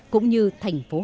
cũng như thành phố hà nội